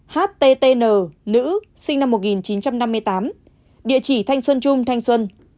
bốn httn nữ sinh năm một nghìn chín trăm chín mươi tám kết quả dương tính